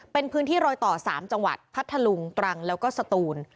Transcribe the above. เป็นพื้นที่รอยต่อ๓จังหวัดพัทธลุงตรังแล้วก็สตูน